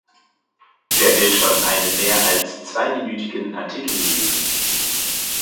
Wer will schon einen mehr als zweiminütigen Artikel lesen?